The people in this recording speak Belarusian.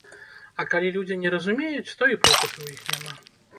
А калі людзі не разумеюць, то і попыту ў іх няма.